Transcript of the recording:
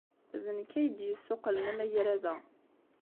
D nekk ay d-yessuqqlen amagrad-a.